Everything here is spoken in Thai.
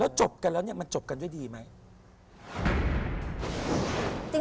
แล้วจบกันแล้วมันจบกันด้วยดีไหม